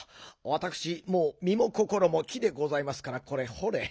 わたくしもうみもこころも木でございますからこれほれ。